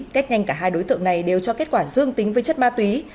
tết nhanh cả hai đối tượng này đều cho kết quả dương tính với chất ma túy